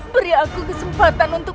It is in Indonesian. beri aku kesempatan untuk